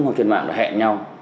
hoặc trên mạng đã hẹn nhau